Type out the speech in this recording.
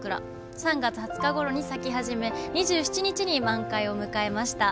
３月２０日ごろに咲き始め２７日に満開を迎えました。